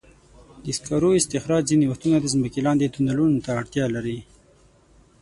د سکرو استخراج ځینې وختونه د ځمکې لاندې تونلونو ته اړتیا لري.